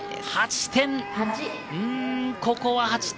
８点。